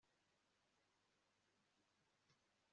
cy'uko ntihakanye amagambo ya nyirubutungane